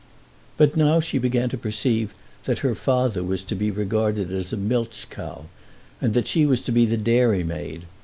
But now she began to perceive that her father was to be regarded as a milch cow, and that she was to be the dairy maid.